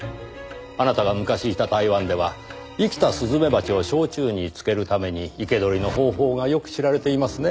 あなたが昔いた台湾では生きたスズメバチを焼酎に漬けるために生け捕りの方法がよく知られていますね。